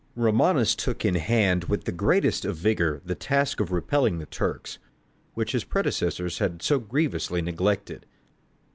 Romanus took in hand with the greatest vigour the task of repelling the Turks, which his predecessor had so grievously neglected.